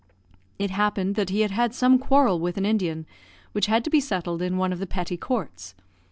It happened that he had had some quarrel with an Indian, which had to be settled in one of the petty courts.